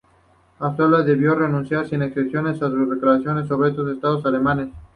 Austria debió renunciar sin excepción a sus reclamaciones sobre estos Estados alemanes.